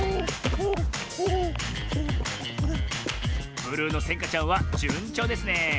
ブルーのせんかちゃんはじゅんちょうですね！